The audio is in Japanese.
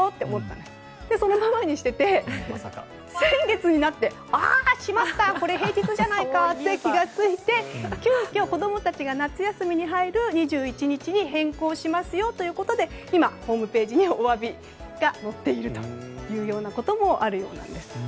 で、そのままにしていて先月になって、あ、しまったこれ平日じゃないかと気が付いて急きょ子供たちが夏休みに入る２１日に変更しますよということで今、ホームページにお詫びが載っているというようなこともあるようなんです。